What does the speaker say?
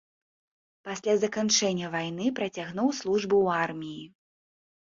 Пасля заканчэння вайны працягнуў службу ў арміі.